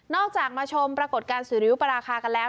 จากมาชมปรากฏการณ์สุริยุปราคากันแล้ว